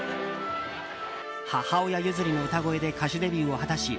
母親譲りの歌声で歌手デビューを果たし